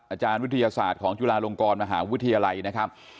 อาจารย์วิทยาศาสตร์ของจุฬาลงกรมหาวิทยาลัยนะครับ